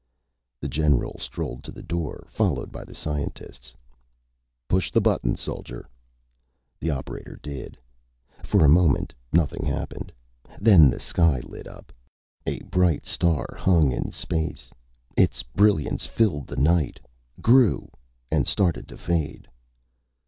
The general strolled to the door, followed by the scientists. "Push the button, Soldier!" The operator did. For a moment, nothing happened. Then the sky lit up! A bright star hung in space. Its brilliance filled the night, grew, and started to fade.